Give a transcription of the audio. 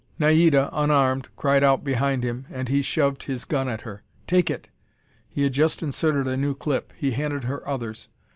Naida, unarmed, cried out behind him, and he shoved his gun at her. "Take it!" He had just inserted a new clip. He handed her others.